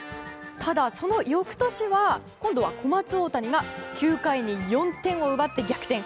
ただその翌年は今度は小松大谷が９回に４点を奪って逆転。